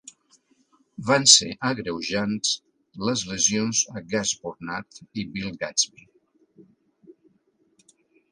Van ser agreujants les lesions a Gus Bodnar i Bill Gadsby.